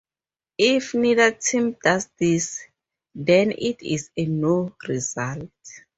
If neither team does this then it is a No Result.